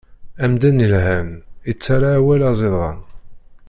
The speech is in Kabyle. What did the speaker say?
Amdan ilhan, ittarra awal aẓidan.